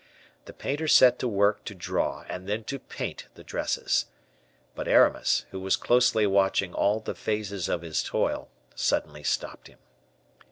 The painter set to work to draw and then to paint the dresses. But Aramis, who was closely watching all the phases of his toil, suddenly stopped him.